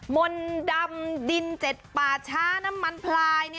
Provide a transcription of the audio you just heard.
มนต์ดำดิน๗ปัชะน้ำมันพลาย